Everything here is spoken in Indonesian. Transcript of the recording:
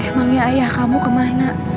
emangnya ayah kamu kemana